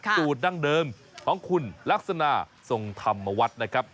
สูตรดั้งเดิมของคุณลักษณะทรงธรรมวัฒน์นะครับ